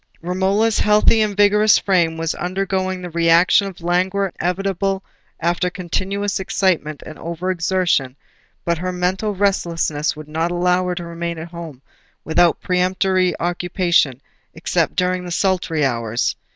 Romola's healthy and vigorous frame was undergoing the reaction of languor inevitable after continuous excitement and over exertion; but her mental restlessness would not allow her to remain at home without peremptory occupation, except during the sultry hours.